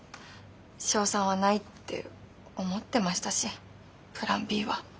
勝算はないって思ってましたしプランＢは。